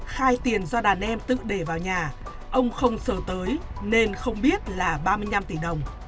khai tiền do đàn em tự để vào nhà ông không sợ tới nên không biết là ba mươi năm tỷ đồng